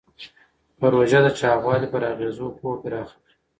پروژه د چاغوالي پر اغېزو پوهه پراخه کړې.